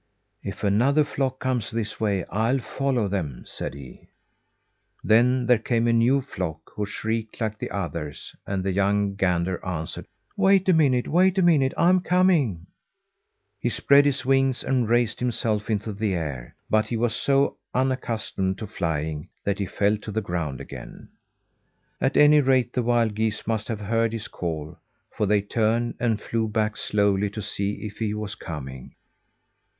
"If another flock comes this way, I'll follow them," said he. Then there came a new flock, who shrieked like the others, and the young gander answered: "Wait a minute! Wait a minute! I'm coming." He spread his wings and raised himself into the air; but he was so unaccustomed to flying, that he fell to the ground again. At any rate, the wild geese must have heard his call, for they turned and flew back slowly to see if he was coming.